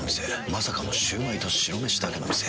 まさかのシュウマイと白めしだけの店。